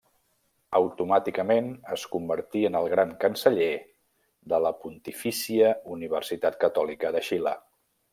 Automàticament es convertí en el Gran Canceller de la Pontifícia Universitat Catòlica de Xile.